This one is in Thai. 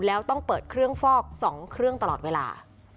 แล้วต้องเปิดเครื่องฟอก๒เครื่องตลอดเวลา